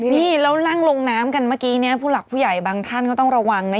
นี่แล้วนั่งลงน้ำกันเมื่อกี้เนี่ยผู้หลักผู้ใหญ่บางท่านก็ต้องระวังนะ